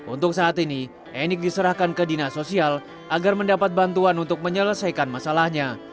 untuk saat ini enik diserahkan ke dinas sosial agar mendapat bantuan untuk menyelesaikan masalahnya